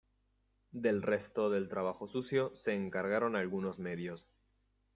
Del resto del trabajo sucio se encargaron algunos medios.